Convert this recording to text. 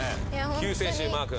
救世主マー君。